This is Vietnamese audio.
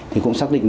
thì cũng xác định